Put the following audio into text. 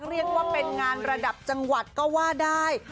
เรียกว่าเป็นงานระดับจังหวัดก็ว่าได้